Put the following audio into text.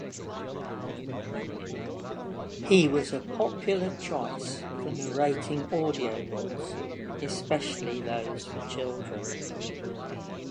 He was a popular choice for narrating audio books, especially those for children.